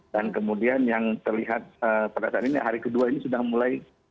dan kemudian yang terlihat pada saat ini hari kedua ini sudah mulai